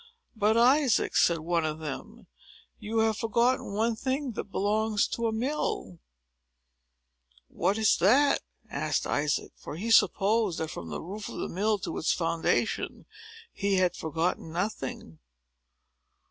"But, Isaac," said one of them, "you have forgotten one thing that belongs to a mill." "What is that?" asked Isaac; for he supposed, that, from the roof of the mill to its foundation, he had forgotten nothing.